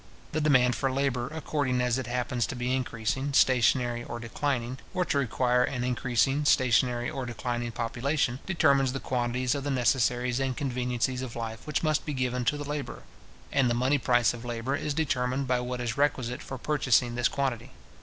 The demand for labour, according as it happens to be increasing, stationary, or declining, or to require an increasing, stationary, or declining population, determines the quantities of the necessaries and conveniencies of life which must be given to the labourer; and the money price of labour is determined by what is requisite for purchasing this quantity.